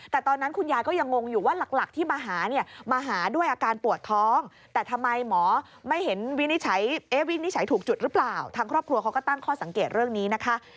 แต่ตอนนั้นคุณยายก็ยังงงอยู่ว่าหลักที่มาหาเนี่ยมาหาด้วยอาการปวดท้องแต่ทำไมหมอไม่เห็นวินิจฉัยวินิจฉัยถูกจุดหรือเปล่าทางครอบครัวเขาก็ตั้งข้อสังเกตเรื่องนี้นะคะ